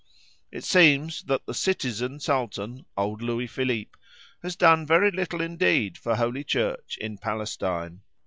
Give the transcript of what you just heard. It seems that the "citizen" sultan, old Louis Philippe, has done very little indeed for Holy Church in Palestine.